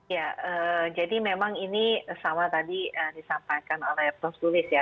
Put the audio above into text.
ya jadi memang ini sama tadi disampaikan oleh prof tulis ya